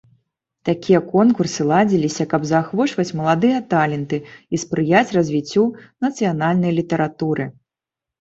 Такія конкурсы ладзіліся, каб заахвочваць маладыя таленты і спрыяць развіццю нацыянальнай літаратуры.